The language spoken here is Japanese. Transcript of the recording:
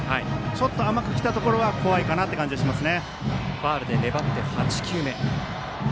ちょっと甘く来たところが怖いかなという感じがします。